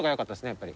やっぱり。